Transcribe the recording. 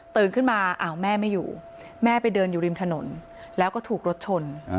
ขึ้นมาอ้าวแม่ไม่อยู่แม่ไปเดินอยู่ริมถนนแล้วก็ถูกรถชน